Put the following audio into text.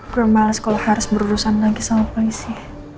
kurang males kalau harus berurusan lagi sama polisi